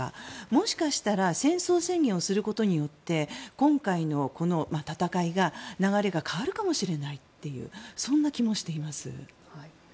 もしかしたら戦争宣言をすることによって今回のこの戦いが流れが変わるかもしれないというそんな気もしています。